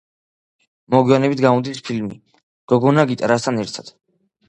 მოგვიანებით გამოდის ფილმი „გოგონა გიტარასთან ერთად“.